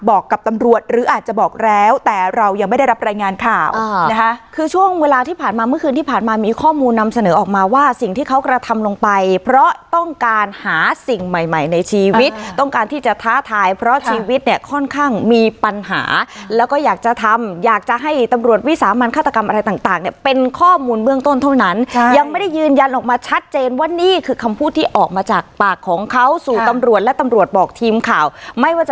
ออกมาว่าสิ่งที่เขากระทำลงไปเพราะต้องการหาสิ่งใหม่ในชีวิตต้องการที่จะท้าทายเพราะชีวิตเนี่ยค่อนข้างมีปัญหาแล้วก็อยากจะทำอยากจะให้ตำรวจวิสาห์มันฆาตกรรมอะไรต่างเนี่ยเป็นข้อมูลเมืองต้นเท่านั้นยังไม่ได้ยืนยันออกมาชัดเจนว่านี่คือคำพูดที่ออกมาจากปากของเขาสู่ตำรวจและตำรวจบอกทีมข่าวไม